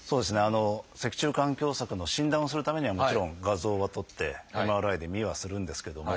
脊柱管狭窄の診断をするためにはもちろん画像は撮ってＭＲＩで見はするんですけども。